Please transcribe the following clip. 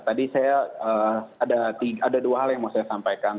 tadi saya ada dua hal yang mau saya sampaikan